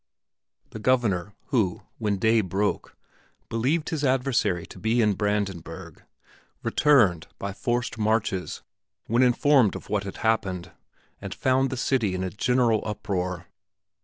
The Governor who, when the day broke, believed his adversary to be in Brandenburg, returned by forced marches when informed of what had happened, and found the city in a general uproar.